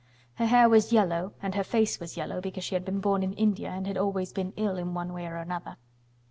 Her hair was yellow, and her face was yellow because she had been born in India and had always been ill in one way or another.